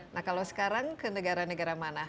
nah kalau sekarang ke negara negara mana